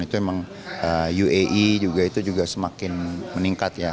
itu memang uae juga itu juga semakin meningkat ya